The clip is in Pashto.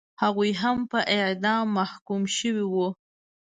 هغوی هم په اعدام محکوم شوي وو.